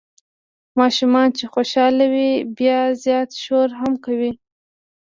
ماشومان چې خوشال وي بیا زیات شور هم کوي.